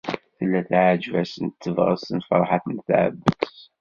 Tella teɛjeb-asen tebɣest n Ferḥat n At Ɛebbas.